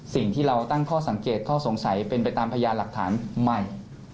สิ่งที่เราตั้งข้อสังเกตข้อสงสัยเป็นไปตามพยานหลักฐานใหม่